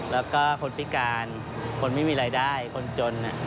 แล้วก็คนพิการคนไม่มีรายได้คนจน